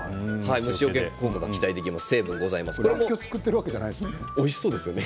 虫よけ効果が期待できます。